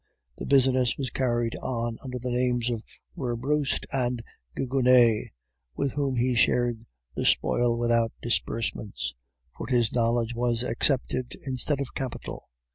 The business was carried on under the names of Werbrust and Gigonnet, with whom he shared the spoil without disbursements, for his knowledge was accepted instead of capital.